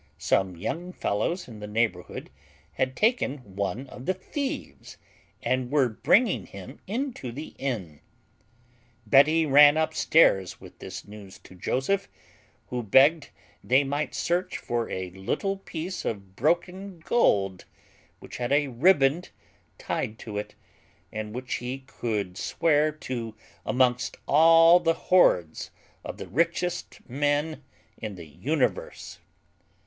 Some young fellows in the neighbourhood had taken one of the thieves, and were bringing him into the inn. Betty ran upstairs with this news to Joseph, who begged they might search for a little piece of broken gold, which had a ribband tied to it, and which he could swear to amongst all the hoards of the richest men in the universe.